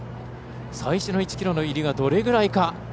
最初の１ｋｍの入りどれぐらいか。